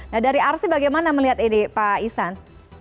nah dari rc bagaimana melihat ini pak iksan